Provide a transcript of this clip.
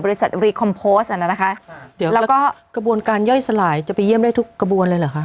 รีคอมโพสต์อ่ะนะคะเดี๋ยวเราก็กระบวนการย่อยสลายจะไปเยี่ยมได้ทุกกระบวนเลยเหรอคะ